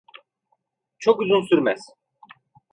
Çok uzun sürmez.